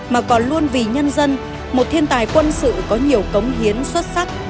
mà còn luôn vì nhân dân một thiên tài quân sự có nhiều cống hiến xuất sắc